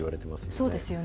そうですよね。